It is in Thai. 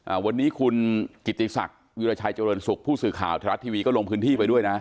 อ่าวันนี้คุณกิติศักดิ์วิราชัยเจริญสุขผู้สื่อข่าวทรัฐทีวีก็ลงพื้นที่ไปด้วยนะ